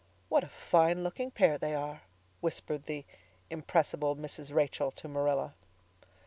"What a fine looking pair they are," whispered the impressible Mrs. Rachel to Marilla.